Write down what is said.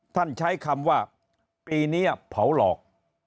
ใช้คำว่าปีนี้เผาหลอก